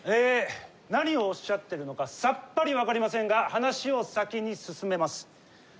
何をおっしゃってるのかさっぱり分かりませんが話を先に進めます。